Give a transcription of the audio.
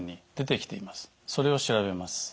それを調べます。